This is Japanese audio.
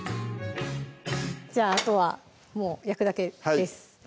じゃああとはもう焼くだけです